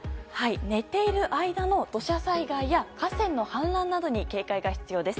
寝ている間の土砂災害や河川の氾濫などに警戒が必要です。